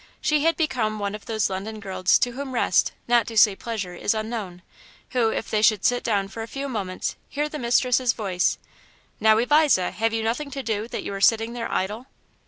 She had become one of those London girls to whom rest, not to say pleasure, is unknown, who if they should sit down for a few moments hear the mistress's voice, "Now, Eliza, have you nothing to do, that you are sitting there idle?"